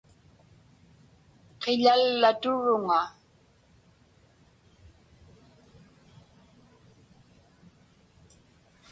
Qiḷallaturuŋa.